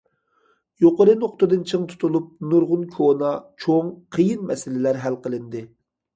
يۇقىرى نۇقتىدىن چىڭ تۇتۇلۇپ، نۇرغۇن كونا، چوڭ، قىيىن مەسىلىلەر ھەل قىلىندى.